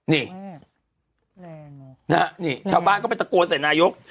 นี่ชาวบ้านก็ไปตะโกนใส่นายก